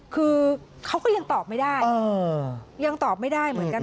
คือเขาก็ยังตอบไม่ได้ยังตอบไม่ได้เหมือนกัน